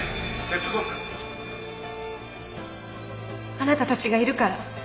あなたたちがいるから。